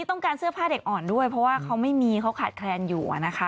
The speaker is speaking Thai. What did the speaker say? ต้องการเสื้อผ้าเด็กอ่อนด้วยเพราะว่าเขาไม่มีเขาขาดแคลนอยู่นะคะ